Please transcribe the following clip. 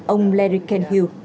ông larry kenhill